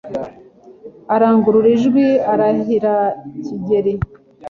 Arangurura ijwi arahira Kigeli